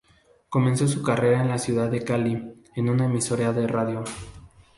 Comenzó su carrera en la ciudad de Cali en una emisora de radio.